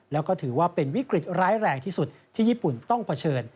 แล้วก็ถือว่าเป็นวิกฤตร้ายแรงที่สุดที่ญี่ปุ่นต้องเผชิญ